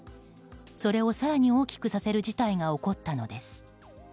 それを更に大きくさせる事態が起こったのです。